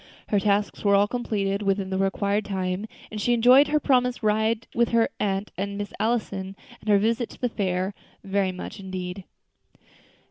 Her tasks were all completed within the required time, and she enjoyed her promised ride with her aunt and Miss Allison, and her visit to the fair, very much indeed.